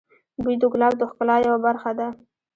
بوی د ګلاب د ښکلا یوه برخه ده.